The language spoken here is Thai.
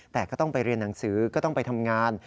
แต่ก็ต้องไปเรียนหนังสือก็ต้องไปทำงาน